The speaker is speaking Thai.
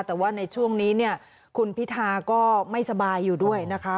แต่ว่าในช่วงนี้เนี่ยคุณพิธาก็ไม่สบายอยู่ด้วยนะคะ